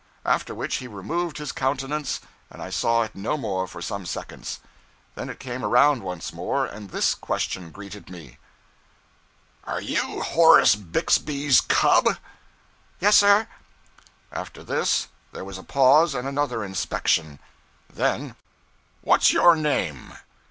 After which he removed his countenance and I saw it no more for some seconds; then it came around once more, and this question greeted me 'Are you Horace Bigsby's cub?' 'Yes, sir.' After this there was a pause and another inspection. Then 'What's your name?'